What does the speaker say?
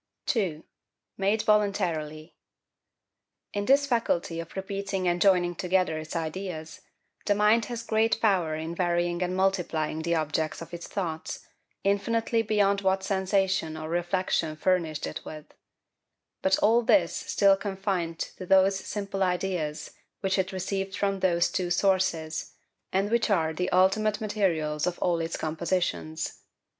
2. Made voluntarily. In this faculty of repeating and joining together its ideas, the mind has great power in varying and multiplying the objects of its thoughts, infinitely beyond what sensation or reflection furnished it with: but all this still confined to those simple ideas which it received from those two sources, and which are the ultimate materials of all its compositions.